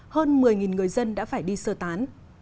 hơn một mươi người dân đã phải đi sơ tán